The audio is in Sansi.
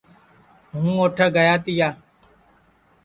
ہُوں اُوٹھے گَیا تِیا